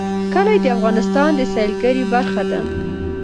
کلي د افغانستان د سیلګرۍ برخه ده.